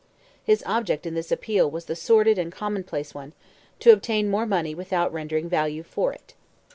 His object in this appeal was the sordid and commonplace one—to obtain more money without rendering value for it.